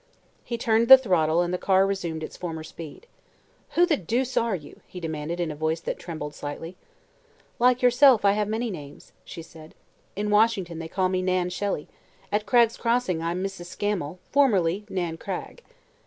He turned the throttle and the car resumed its former speed. "Who the deuce are you?" he demanded, in a voice that trembled slightly. "Like yourself, I have many names," she said. "In Washington they call me Nan Shelley; at Cragg's Crossing I'm Mrs. Scammel, formerly Nan Cragg."